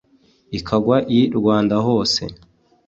ikagwa i rwanda hose